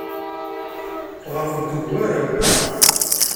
Tɣerqemt deg ugaraw, naɣ?